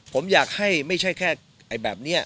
ผมอยากให้ไม่ใช่แค่แบบนี้